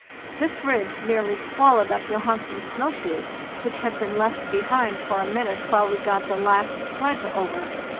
This ridge nearly swallowed up Johansen's snow shoes, which had been left behind for a minute while we got the last sledge over.